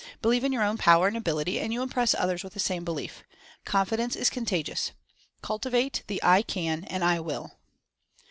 Believe in your own power and ability, and you impress others with the same belief. Confidence is contagious. Cultivate the "I Can and I Will."